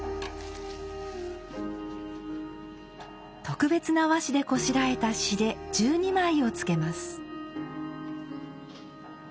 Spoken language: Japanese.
特別な和紙でこしらえた紙垂１２枚をつけます。